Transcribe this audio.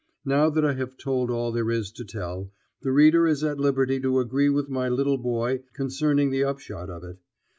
Now that I have told all there is to tell, the reader is at liberty to agree with my little boy concerning the upshot of it.